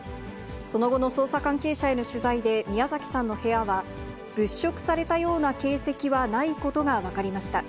その後の捜査関係者への取材で宮崎さんの部屋は、物色されたような形跡はないことが分かりました。